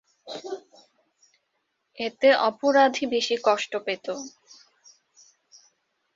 এতে অপরাধী বেশি কষ্ট পেত।